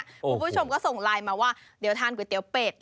คุณผู้ชมก็ส่งไลน์มาว่าเดี๋ยวทานก๋วยเตี๋ยวเป็ด